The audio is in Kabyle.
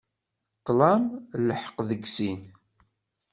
Tlam lḥeqq deg sin.